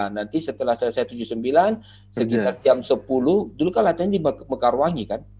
nanti setelah selesai tujuh puluh sembilan sekitar jam sepuluh dulu kan latihan di mekarwangi kan